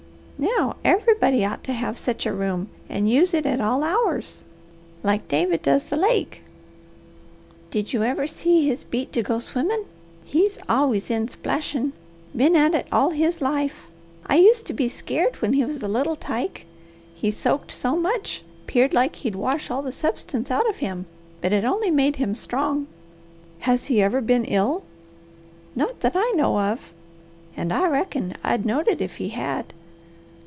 Now everybody ought to have sech a room and use it at all hours, like David does the lake. Did you ever see his beat to go swimmin'? He's always in splashin'! Been at it all his life. I used to be skeered when he was a little tyke. He soaked so much 'peared like he'd wash all the substance out of him, but it only made him strong." "Has he ever been ill?" "Not that I know of, and I reckon I'd knowed it if he had.